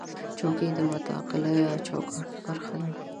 چوکۍ د متعلقه چوکاټ برخه ده.